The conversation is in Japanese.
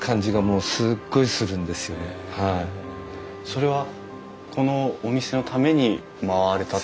それはこのお店のために回られた？